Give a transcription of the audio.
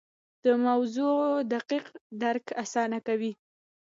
د موضوع دقیق درک اسانه کوي.